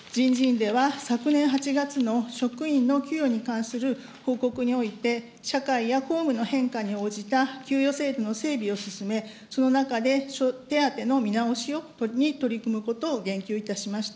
人事院では昨年８月の職員の給与に関する報告において、社会や公務の変化に応じた給与制度の整備を進め、その中で手当の見直しに取り組むことを言及いたしました。